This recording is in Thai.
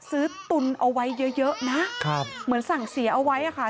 ซื้อตุนเอาไว้เยอะนะเหมือนสั่งเสียเอาไว้อะค่ะ